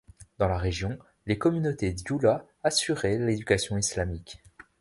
Dans la région, les communautés Dioula assuraient l'éducation islamique.